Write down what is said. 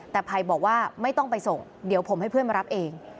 แต่ภัยบอกว่าไม่ต้องไปส่งเดี๋ยวผมให้เพื่อนมารับเอง